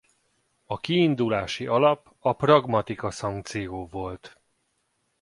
A kiindulási alap a pragmatica sanctio volt.